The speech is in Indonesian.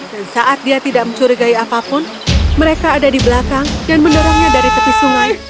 dan saat dia tidak mencurigai apapun mereka ada di belakang dan mendorongnya dari tepi sungai